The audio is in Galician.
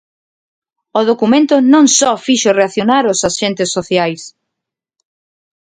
O documento non só fixo reaccionar os axentes sociais.